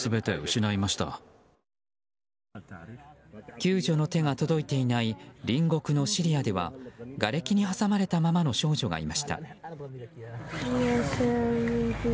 救助の手が届いていない隣国のシリアではがれきに挟まれたままの少女がいました。